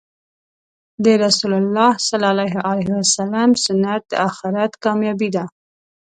د رسول الله سنت د آخرت کامیابې ده .